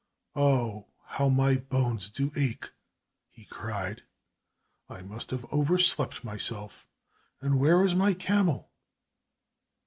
"Oh, how my bones do ache!" he cried. "I must have overslept myself. And where is my camel?"